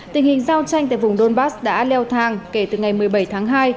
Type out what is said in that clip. tình hình giao tranh tại vùng donbass đã leo thang kể từ ngày một mươi bảy tháng hai